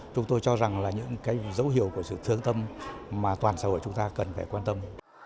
chúng tôi cho rằng là những cái dấu hiệu của sự thương tâm mà toàn xã hội chúng ta cần phải quan tâm